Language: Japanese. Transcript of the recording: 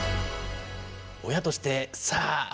親としてさあ